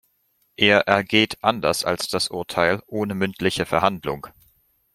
Er ergeht anders als das Urteil ohne mündliche Verhandlung.